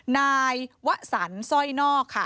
นายวะสันสร้อยนอกค่ะ